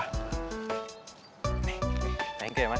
neng nengke ya mas